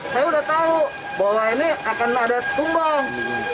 saya udah tahu bahwa ini akan ada tumbang